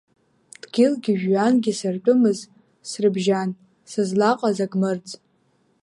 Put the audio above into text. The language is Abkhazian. Дгьылгьы жәҩангьы сыртәымыз, срыбжьан, сызлаҟаз ак мырӡ.